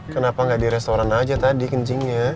kenapa nggak di restoran aja tadi kencingnya